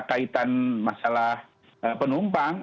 tentang masalah penumpang